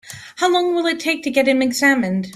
How long will it take to get him examined?